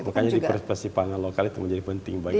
makanya di persipangan lokal itu menjadi penting bagi kita